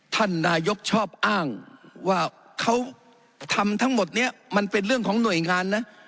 ท่านนายกชอบอ้างว่าเขาทำทั้งหมดนี้มันเป็นเรื่องของหน่วยงานนะ